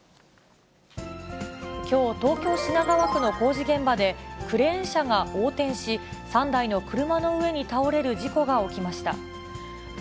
きょう、東京・品川区の工事現場で、クレーン車が横転し、３台の車の上に倒れる事故が起きました。